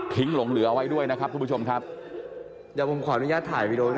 ทิ้งหลงเหลือไว้ด้วยนะครับทุกผู้ชมครับ